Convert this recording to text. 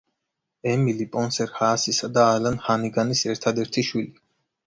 ემილი პონსერ ჰაასისა და ალან ჰანიგანის ერთადერთი შვილი.